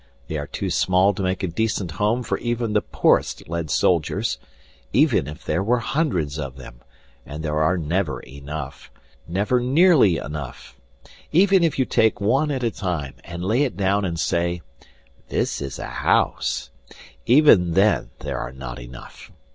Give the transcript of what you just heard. They are too small to make a decent home for even the poorest lead soldiers, even if there were hundreds of them, and there are never enough, never nearly enough; even if you take one at a time and lay it down and say, "This is a house," even then there are not enough.